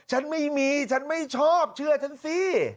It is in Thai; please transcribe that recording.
ฉันไม่มีฉันไม่ชอบเชื่อฉันสิ